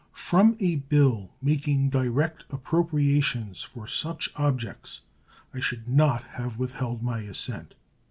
From a bill making direct appropriations for such objects I should not have withheld my assent.